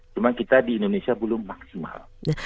cuma kita di indonesia belum maksimal